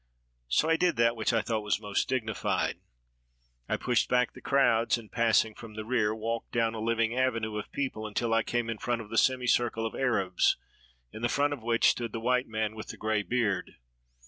So I did that which I thought was most dignified. I pushed back the crowds, and, passing from the rear, walked down a living avenue of people until I came in front of the semicircle of Arabs, in the front of which stood the white man with the gray beard.